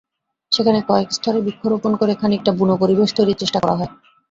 সেখানে কয়েক স্তরে বৃক্ষরোপণ করে খানিকটা বুনো পরিবেশ তৈরির চেষ্টা করা হয়।